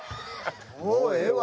もうええわ。